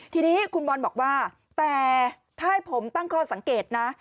ทีนี้คุณบอลบอกว่าแต่ถ้าให้ผมตั้งข้อสังเกตนะ